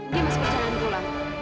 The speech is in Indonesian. dia masih berjalan pulang